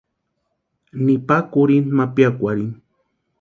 Nipa kurhinta ma piakwarhini.